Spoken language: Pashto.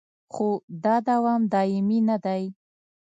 خو دا دوام دایمي نه دی